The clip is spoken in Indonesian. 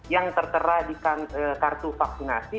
yang tertera di kartu vaksinasi